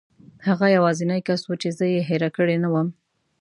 هغه یوازینی کس و چې زه یې هېره کړې نه وم.